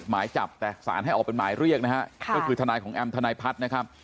หมายจับแต่สารให้ออกเป็นหมายเรียกนะฮะก็คือทนายของแอมทนายพัฒน์นะครับ